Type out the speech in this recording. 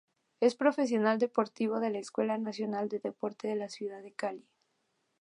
Es profesional deportivo de la Escuela Nacional del Deporte de la ciudad de Cali.